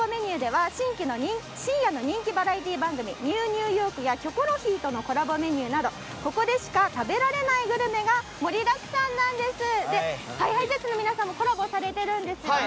番組では深夜の人気バラエティー番組「ＮＥＷニューヨーク」や「キョコロヒー」とのコラボメニューなどここでしか食べられないグルメが盛りだくさんなんです。ＨｉＨｉＪｅｔｓの皆さんもやってるんですよね。